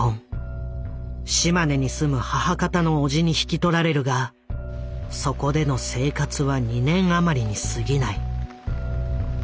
島根に住む母方の叔父に引き取られるがそこでの生活は２年余りにすぎない。